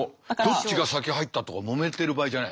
どっちが先入ったとかもめてる場合じゃないですね。